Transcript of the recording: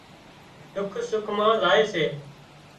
ڏُک سُک مان زائي سي